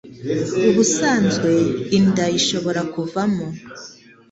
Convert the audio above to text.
Ubusanzwe inda ishobora kuvamo